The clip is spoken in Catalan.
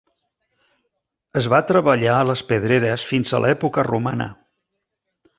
Es va treballar a les pedreres fins a l'època romana.